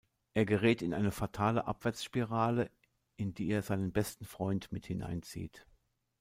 Er gerät in eine fatale Abwärtsspirale, in die er seinen besten Freund mit hineinzieht.